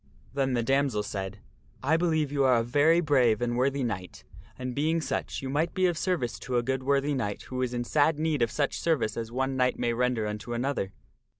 Then the damoiselle said, " I believe you are a very brave and worthy knight, and being such you might be of service to a good worthy knight who is in sad need of such service as one knight may render unto another."